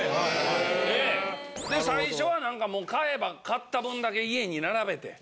で最初はなんかもう買えば買った分だけ家に並べて。